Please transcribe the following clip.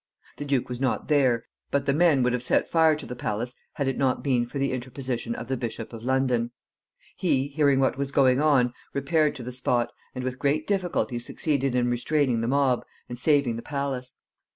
The duke was not there, but the men would have set fire to the palace had it not been for the interposition of the Bishop of London. He, hearing what was going on, repaired to the spot, and with great difficulty succeeded in restraining the mob and saving the palace.